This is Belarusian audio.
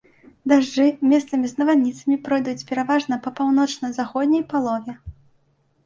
Дажджы, месцамі з навальніцамі, пройдуць пераважна па паўночна-заходняй палове.